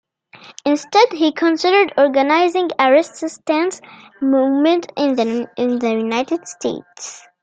Instead, he considered organising a resistance movement in the United States.